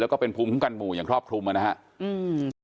แล้วก็เป็นภูมิคุ้มกันหมู่อย่างครอบคลุมนะครับ